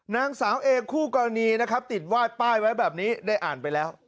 นางสาวเอคู่กรณีนะครับติดวาดป้ายไว้แบบนี้ได้อ่านไปแล้ว